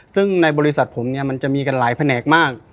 ซึ่งในบริษัทผมเนี่ยมันจะมีกันหลายแผนกมาก